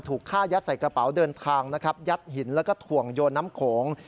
ฆ่ายัดใส่กระเป๋าเดินทางนะครับยัดหินแล้วก็ถ่วงโยนน้ำโขง